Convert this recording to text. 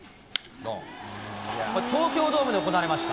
東京ドームで行われました。